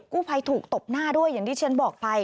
กู้ภัยถูกตบหน้าด้วยอย่างที่ฉันบอกไป